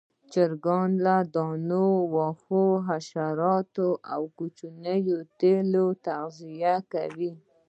چرګان له دانې، واښو، حشراتو او کوچنيو تیلو تغذیه کوي.